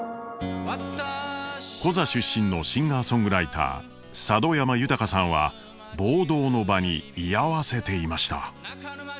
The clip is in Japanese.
コザ出身のシンガーソングライター佐渡山豊さんは暴動の場に居合わせていました。